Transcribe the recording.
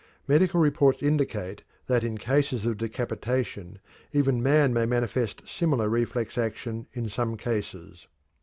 Medical reports indicate that in cases of decapitation even man may manifest similar reflex action in some cases.